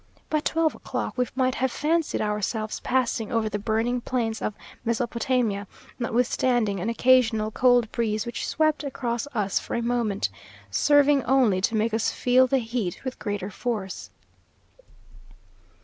By twelve o'clock we might have fancied ourselves passing over the burning plains of Mesopotamia, notwithstanding an occasional cold breeze which swept across us for a moment, serving only to make us feel the heat with greater force.